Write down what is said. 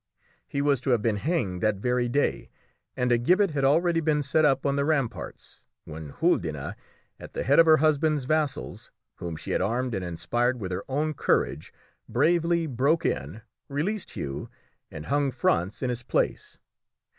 He was to have been hanged that very day, and a gibbet had already been set up on the ramparts, when Huldine, at the head of her husband's vassals, whom she had armed and inspired with her own courage, bravely broke in, released Hugh, and hung Frantz in his place.